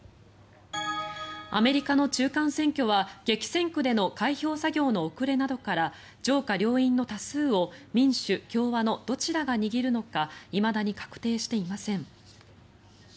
アメリカの中間選挙は激戦区での開票作業の遅れなどから上下両院の多数を民主、共和のどちらが握るのかいまだに確定していません。